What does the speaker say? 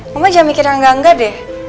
mama jangan mikir angga angga deh